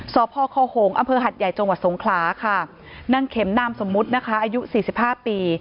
สพคโฮงอหัดใหญ่จสงคลาค่ะนเข็มนสมมุตินะคะอายุ๔๕ปี